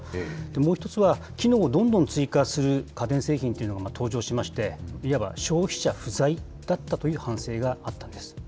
もう一つは、機能をどんどん追加する家電製品というのが登場しまして、いわば消費者不在だったという反省があったんです。